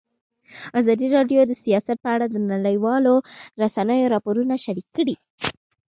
ازادي راډیو د سیاست په اړه د نړیوالو رسنیو راپورونه شریک کړي.